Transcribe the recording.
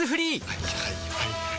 はいはいはいはい。